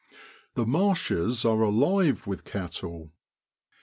The marshes are alive with cattle.